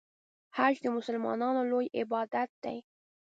حج د مسلمانانو لوی عبادت دی.